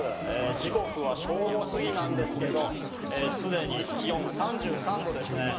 時刻は正午すぎなんですけどすでに気温３３度ですね。